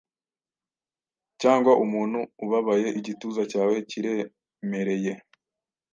Cyangwa umuntu 'ubabaye, igituza cyawe kiremereye?